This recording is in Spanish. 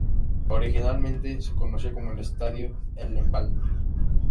Originalmente se conoció como el Estadio El Empalme.